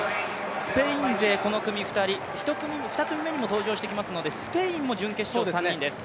スペイン勢この組２人、２組目にも登場してきますので準決勝３人です。